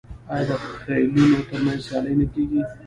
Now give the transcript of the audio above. آیا د خیلونو ترمنځ سیالي نه کیږي؟